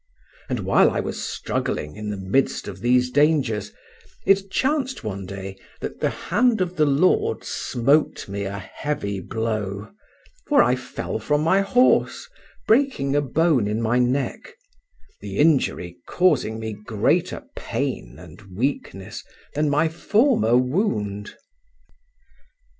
And while I was struggling in the midst of these dangers, it chanced one day that the hand of the Lord smote me a heavy blow, for I fell from my horse, breaking a bone in my neck, the injury causing me greater pain and weakness than my former wound.